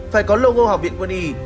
phải có logo học viện quân y